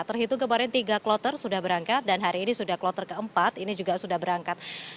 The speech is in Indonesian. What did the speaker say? terhitung kemarin tiga kloter sudah berangkat dan hari ini sudah kloter keempat ini juga sudah berangkat